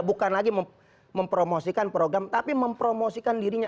bukan lagi mempromosikan program tapi mempromosikan dirinya